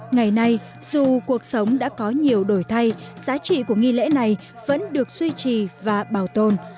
ngày nay dù cuộc sống đã có nhiều đổi thay giá trị của nghi lễ này vẫn được duy trì và bảo tồn